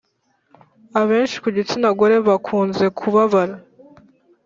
abenshi kugitsina gore bakunze kubabara